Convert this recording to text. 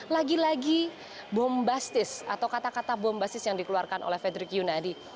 lagi lagi bombastis atau kata kata bombastis yang dikeluarkan oleh fredrik yunadi